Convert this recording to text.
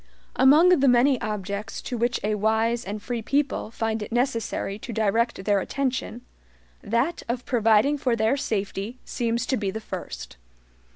Among the many objects to which a wise and free people find it necessary to direct their attention, that of providing for their SAFETY seems to be the first.